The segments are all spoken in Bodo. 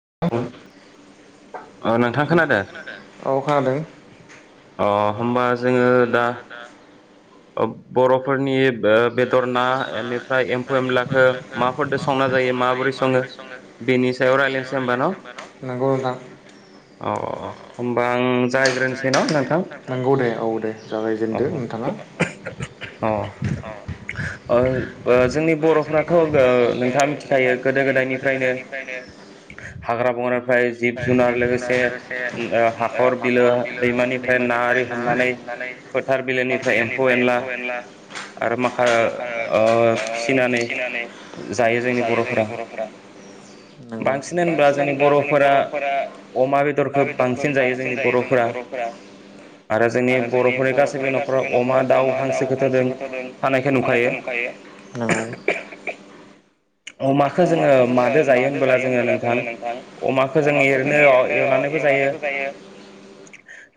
ह [unintelligible] औ खोनादों। अ होमबा जोङो दा। बर'फोरनि बेदर ना बेनिफ्राय एम्फौ एनलाखौ माफोरजों संना जायो माबोरै सङो बेनि बेनि सायाव रायज्लायसै ओमबा न'? नोंगौ नोंथां। नंगौ दे औ दे जागायजेनदो नोंथाङा। अ अ जोंनि बर'फ्राथ' ओ नोंथाङा मिथिखायो गोदो गोदायनिफ्रायनो हाग्रा बंग्रा ओमफ्राय जिब जुनार लोगोसे ओ हाखर बिलो दैमानिफ्राय ना आरि हमनानै फोथार बिलोनिफ्राय एम्फौ ओफ्राय एम्फौ एनला आरो माखा फिसिनानै जायो जोंनि बर'फोरा नंगौ बांसिनानो दा ज बर'फोरा अमा बेदरखौ बांसिन जायो जोंनि बर'फोरा आरो जोंनि बर'फोरनि गाससिबो न'- खराव अमा दाउ फांसोखौथ' जों बानायखौ नुखायो नंगौ अमाखौ जोङो मादो जायो होनबोला जोङो नोंथां अमा- खौ जों एरैनो एवनानैबो जायो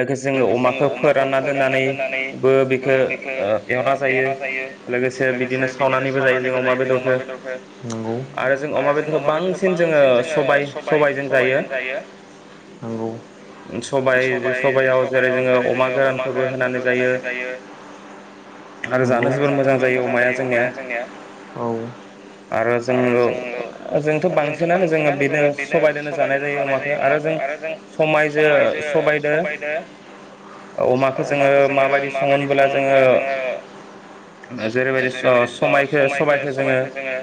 लोगोसे जोङो अमाखौ फोरानना दोननानैबो बेखौ अ एवना जायो लोगोसे बिदिनो सावनानैबो जायो जों अमा बेदरखौ आरो जों अमा बेदर बांसिन जोङो सबाय-सबायजों सबायजों जायो नंगौ सबाइ-सबायाव जेरै- जोङो अमा गोरानखौबो होनानै जायो जानो जोबोद मोजां जायो अमाया जोंनिया औ आरो जोङो जोंथ' बांसिनानो जोङो बेनो सबायजोंनो जानाय जायो अमाखौ आरो जों समायजो सबायदो अमाखौ जोङो माबायदि संङो होनोब्ला जोङो जेरैबायदि स-समायखो सबायखो जोङो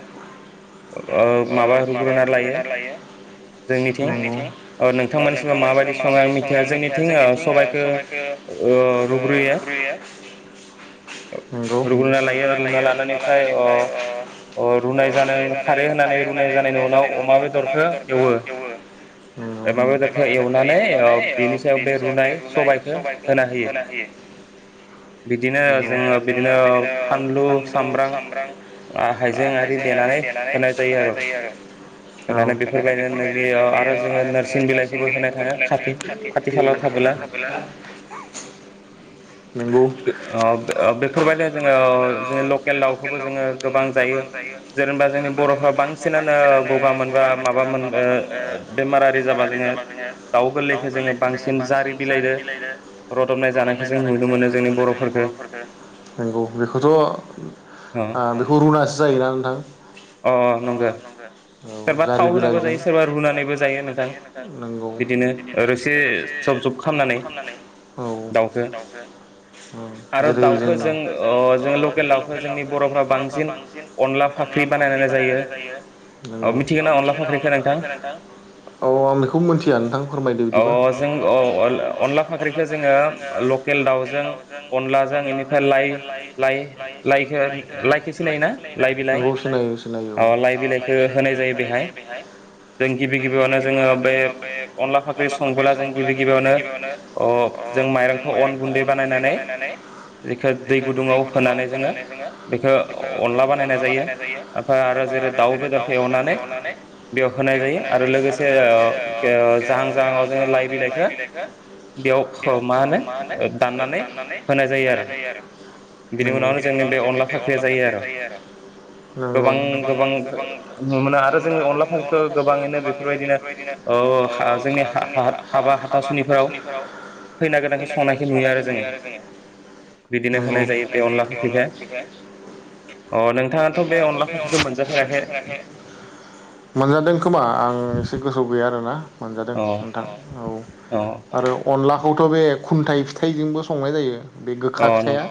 म-माबा रूग्रोना लायो जोंनिथिं अ नोंथांमोननिथिङाव माबायदि सङो आं मिथिया जोंनिथिं सबायखौ अ रुग्रो- यो रुना लायो रुना लानानैफ्राय अ अ रुनाय जानाय खारै होनानै रुनाय जानायनि उनाव अमा बेदरखौ एवो माबा बेदरखौ एवनानै अ बेनि सायाव बे रुनाय सबाइखौ होना होयो। बिदिनो जोङो बिदिनो फानलु सामब्राम हाइजें आरि देनानै होनाय जायो आरो होनानै बेफोरबायदिनो बे अ आरो जोङो नोरसिं बिलाइखौबो होनाय थाया खाथि- खाथि खालायाव थाबोला [inaudible] बे अ ब अ बेफोरबायदि जोङो अ लकेल दाउखौबो जोङो गोबां जायो जेनेबा जोंनि बर'फ्रा बांसिनानो गगा मोनबा माबा मोन माबामोन अ बेमारारि जाब्ला जोङो दाउ गोरलैखौ जोङो बांसिन जारि बिलाइदो रदबनाय जानायखौ जों नुनो मोनो जोंनि बर'फोरफोरखौ नंगौ बेखौथ' आ बेखौ रुनासो जायोना अ नंगौ सोरबा थाव होनाबा जायो सोरबा रुनानैबो जायो नोंथां बिदिनो रोसि जब-जब खालामनानै दाउदों आरो दाउखौ जों अ जोङो लकेल दाउखौ जोंनि बर'फाव बांसिन अनला फाख्रि बानाय ना जायो मिथिगोना अनला फाख्रिखौ? बकारटा [unintelligible] अ अ जों अ-अल-अनला फाख्रिखौ जोङो ल- केल दाउजों अनलाजों बेनिफ्राय लाइ-लाइ-लाइखौ- लाइखौ सिनायोना? लाइ बिलाइ अ लाइ बिलाइखौ होनाय जायो बेहाय जों गिबि गिबियावनो जोङो बे अनला फाख्रि संला जों गिबि गिबियावनो अ जों माइरंखौ अन गुन्दै बानायनानै बेखौ दै गुदुङाव होनानै जोङो बेखौ अ-अनला बानाय नाय जायो ओमफाय आरो जेरै-दाव बेदरखौ एवनानै बेयाव हो- बेयाव होनाय जायो आरो लोगोसे अ के जाहां-जाहांआवनो लाइ बिलाइखौ बेयाव अ मा होनो दाननानै होनाय जायो आरो नंगौ बिनि उनावनो जोंनि बे अनला खारिया जायो आरो। गोबां-गोबां मोनो अनला। खो गोबाङैनो बेफोरबायदिनो अ जोंनि हा-हा-हाबा हाथासुलिफोराव फैना गोनांथि संनायखौ नुयो आरो जोङो बेदि बिलाय होनाय जायो बे खारिखौ अ नोंथाङाथ' बे अनलाखौ मोनजाफेराखै मोनजादों। खोमा आं एसे गोसोआव गैया आरोना मोनजादों नोंथां औ आरो अनला खौथ' बे खुन्थायाइ फिथाइजोंबो संनाय जायो। बे गोखा फिथाइआ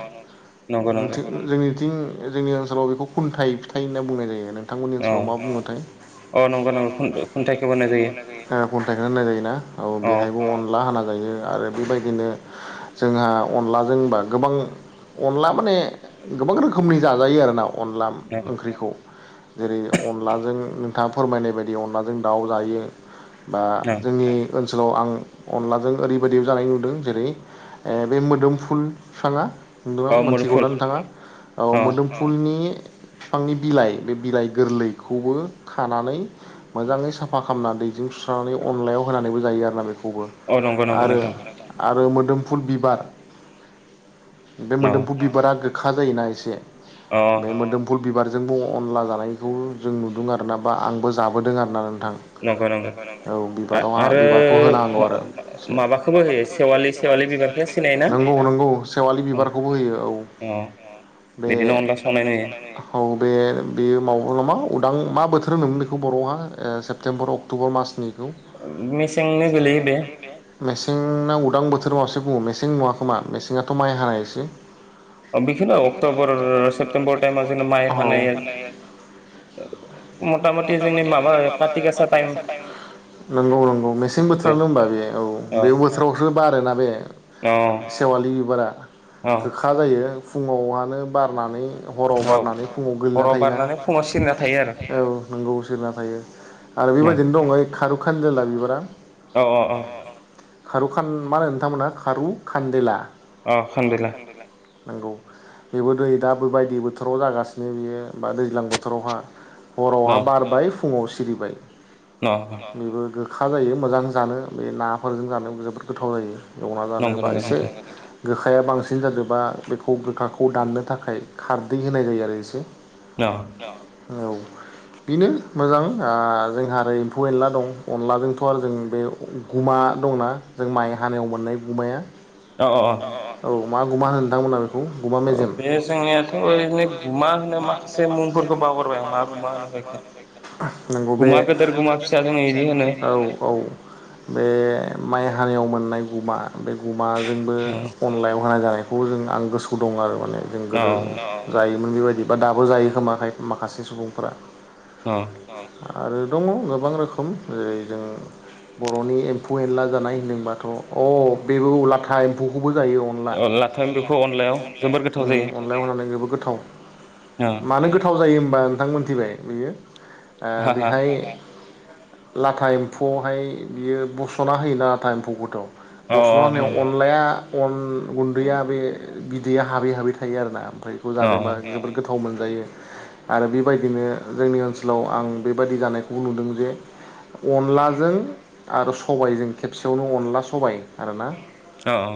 जोथिं जोंनिथिं। जोंनि ओनसोलाव बेखौ खुन्थाइ फिथाइ होनना बुंनाय जायो नोंथांमोननि ओनसोलाव मा बुङोथाय। ओ नोंगौ नोंथां खुनथाइखोबो होननाय जायो ओ खन्थाइखो होननाय जायोना औ बेहायबो अनला होनांग जायो आरो बेबायदिनो जोंहा अनलाजोंबा गोबां अनला माने गोबां रोखोमनि जाजायो आरो नाव अनलाम ओंख्रिखौ जेरै अनलाजों फोरमायनाय बायदि अनलाजों दाउ जायो बा जोंनि ओनसोलाव आं अनलाजों ओरैबायदि जानाय नुदों जेरै ऐ बे मोदोम फुल बिफाङा नुंदों मिथिगौना नोंथाङा औ मोदोमफुलनि फिफांनि बिलाइ बे बिलाइ गोरलैखौबो खो खानानै मोजाङै साफा खालामनानै दैजों सुस्रांनानै अनलायाव होनानैबो जायो आरोना बेख खौबो आरो आरो मोदोमफुल बिबार बे मोनदोमफु बिबारा गोखा जायोना एसे बे मोन्दोमफुल बिबारजोंबो अनला जानायखौ जों नुदों आरोना बा आंबो जाबोदों आरोना नो थां नोंगौ नोंगौ औ बिबार बिबारखौ होनांगौ आरो से सेवालि सेविलि बिबारखो नोंगौ नोंगौ सेवालि बिबारखौबो होयो औ अ बे औ बे बेयो मावनो हो माव उदां मा बोथोर होनोमोन बेखौ बर आवहा ओ सेप्तेम्बर अक्ट'बर मासनि खौ मेसें नो गोलैयो बे मेसेना उ दां बोथोर मारसे बुङो मेसें नुवा खोमा मेसेंआथ' माइ हानायसखोसो ओ बिखनो अक्ट'बर सेप्तेम्बर टाइमा जों माइ हानाया मथाम मथामथि जोंनि माबा खाथिक आसा टाइम नोंगौ नोंगौ मेसें बोथोराल होमबा बे औ बे बे बोथोरावसो बारोना बे सेवालि बिबारा गोखा जायो। फुङावानो बारनानै। हराव बारनानै फुङाव गोग्लैना थायोना औ। गुबु सेरना थायो आरो बेबायदिनो दं ओइ खारुखानदोला बिबारा औ औ औ। खारुखान मा होनो नोंथांमोनहा खारु खान्देला अ खान्देला। नोंगौ बेबो नै दा बोबायदि बोथोराव जागासिनो बेयो बा दैज्लां बोथोरावहा। बर'हाब फुङाव सिरिबाय बेबो गोख खा जायो मोजां जानो बे नाफोरजों जानो जोबोद गोथाव जायो एवना जानो बा एसे गोखाया बांसिन जादोबा बेखौ गोखाखौ दाननो थाखाय खारदै होनाय जायो आरो एसे। औ। बेनो मोजां आ जोंहा आरै एम्फौ एनला दं अनलाजोंथ' आरो जों बे अमा द दं ना जों माइ हानायाव मोननाय गुमाया अ अ औ मा गुमाो नोंथांमोन बेख गुमा मेजेम बे जोंनियाथ' ओरैनो मा होनो माखासे मुंफोरखौ बावगारबाय आं मा गुमा होनो बेख नोंगौ बे गुमा गोदोर गुमा फिसा दोङो एरि औ औ बे माइ हानाययाव मोननाय गुमा बे गुमाजोंबो अनलायाव होना जानाय खौबो जों आं गोसोआव दं आरो माने जों गोदो जायो मोन बेबायदि बा दाबो जायो खोमा खायफ माखासे सुबुंफोरा आरो दङ गोबां रोखोम जेरै जों बर'नि एम्फौ एनला जानाय होनदोंबाथ' अ बेबौ लाथा एम्फौख बो जायो अनला अनला होननानै जबोद गोथाव। मानो गोथाव जायो होमबा नोंथां मोनथिबाय बियो ओ बेहाय लाथा एम्फौआवहाय बियो बस'ना होयोना लाथा एम्फौखौथ'। बस््लाुनि अनलाया [unintelligible] [inaudible] अन गुन्दैया बे बिदैया हाबै हाबै थायो आरोना ओमफ्राय बेखौ जादोंबा जोबोद गोथाव मोनो। आरो बेबायदिनो जोंनि ओनसोलाव आं बेबायदि जानायखौ नुदों जे अनलाजों आरो सबायजों खेबसेयावनो अनला सबाय आरोना।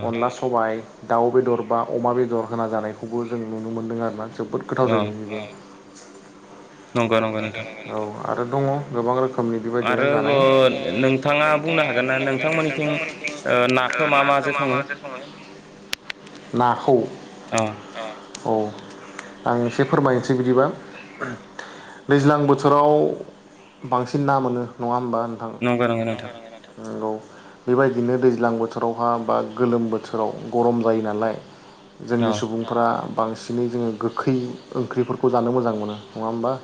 अनला सबाय। दाउ बेदर बा अमा बेदर होना जानायखौबो जों नुनो मोनदों आरोना। जोबोद गोथाव जायो। नंगौ नंगौ नोंथां आरो दङ गोबां रोखोम बेबायदिनो जानाय नोंथाङा बुंनो हागोन ना नोंथांमोननिखौ ना मा मा जों संङो? नाखौ औ। आं एसे फोरमायनोसै बिदिबा- दैज्लां बोथोराव बांसिन ना मोनो नङा होमबा? नोथां नंगौ नंगौ। बेबायदिनो दैज्लां बोथोरावहा बा गोलोम बोथोराव गरम जायो नालाय? जोंनि सुबुंफ बांसिनै जोङो गोखै ओंख्रिफोरखौ जानो मोजां मोनो नङा होमबा? नंगौ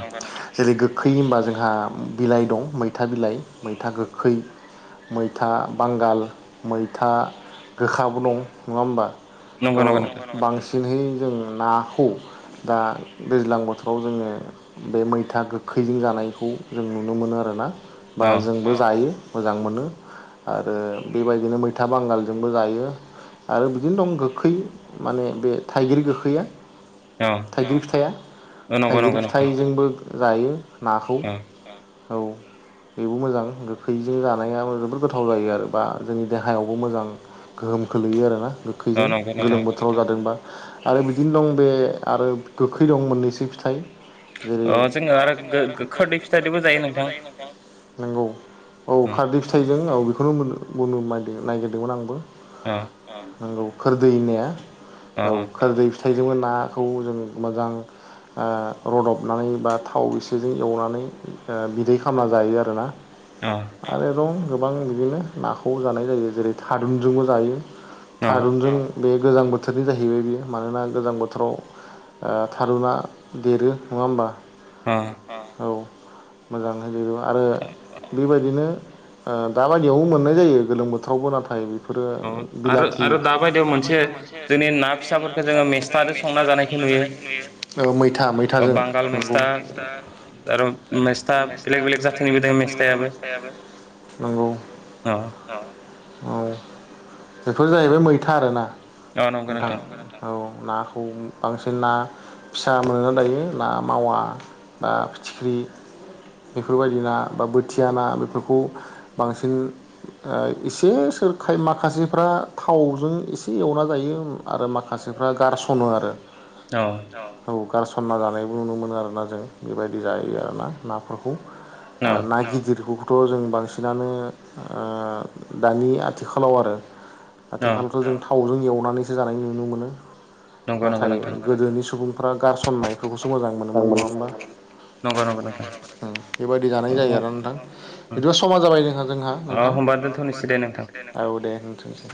नोंथा जेरै- गोखै गोखै होनबा जोंहा बिलाइ दं मैथा बिलाइ मैथा गोखै। मैथा बांगाल मैथा गोखाबो दं नङा होमबा? थ' बांसिनहै जों नाखौ दा दैज्लां बोथोराव जोङो बे मैथा गोखैजों जानायखौ जों नुनो मोनो आरोना। बा जोंबो जायो। मोजां मोनो आरो बेबायदिनो मैथा बांगालजोंबो जायो। आरो बिदिनो दं गोखै माने बे थाइगिर गोखैया। थाइगिर फिथाइया थाइगिर फिथाइजोंबो जायो। नाखौ औ। बेबो मोजां गोखैजों जानाया जोबोद गोथाव जायो। आरो बा जोंनि देहायावबो मोजां। गोहोम खोलैयो आरो ना। गोखैजों गोलोम बोथोराव जादोंबा आरो बिदिनो दं बे आरो गोखै थै दं मोननैसो फिथाइ जेरै ओ जो खोरढै फिथाय जोंबो जायो नोंथा नंगौ। औ खारदै फिथाइजों औ बेखौनो मोनो। गुनु ननायागिरदोंमोन आंबो नंगौ खोरदैनाया? औ खोरदै फिथाइजोंबो नाखौ जों मोजां। रदबनानै बा थाव एसेजों एवनानै बिदै खालामना जायो आरोना। आरो दं गोबां बिदिनो नाखौ जानाय जायो जेरै थारुनजोंबो जायो। थारुनजों बे गोजां बोथोरनि जाहैबाय बियो मानोना गोजां बोथोराव थारुना देरो नङा होमबा? औ मोजां आरो बेबायदिनो दाबायदियावबो मोननाय जायो। गोलोम बोथोरावबो। नाथाय- बिलाथि आरो दा बायदियाव मोनसे जोंनि ना फिसाफोरखौ जोङो मेस संना जानाय मैथा मैथाजों नंगौ। आरो मेस्था बेलेग बेलेग जाथनिबो द मेस्थायाबो। नंगौ औ बेफोर जाहैबाय मैथा आरोना। नोंथां औ नाखौ बांसिन ना फिसा मोना दायो ना मावा ना फिथिख्रि [unintelligible] [inaudible] बेफोरबायदि ना बा बोथिया ना बेफोरखौ बांसिन एसे सोरखाय माखासेफ्रा थावजों एसे एवना जायो आरो माखासेफ्रा गारसनो आरो। औ गारसनना जानायबो नुनो मोनो आरोोना जों बेबायदि जायो आरो ना नाफोरखौ। आरो ना गिदिरखौ थ' जों बांसिनानो दानि आथिखालाव आरो आथिखालथ' जों थावजों एवनानैसो जानाय नुनो मोनो। नंगौ नंगौ नोंथां गोदोनि सुबुंफ्रा गारसननायफोरखौसो मोजां मोनोमोन नङा होमबा? बेबायदि जानाय जायो आरोना नोंथां। बिदिबा समान जाबाय जोंहा जोंहा नोंथां। औ दे दोनथ'नोसै।